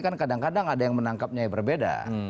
kan kadang kadang ada yang menangkapnya yang berbeda